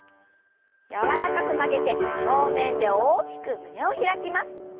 柔らかく曲げて正面で大きく胸を開きます。